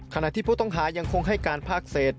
ขณะที่ผู้ต้องหายังคงให้การภาคเศษ